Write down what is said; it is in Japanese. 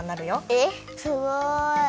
えっすごい！